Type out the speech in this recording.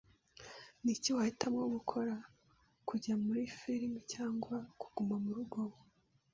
Niki wahitamo gukora, kujya muri firime cyangwa kuguma murugo?